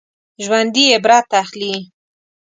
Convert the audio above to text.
ژوندي عبرت اخلي